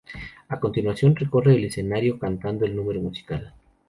A continuación, recorre el escenario cantando el número musical.